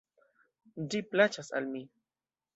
Ĝi plaĉas al mi.